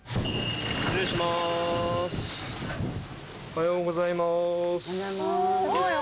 おはようございます。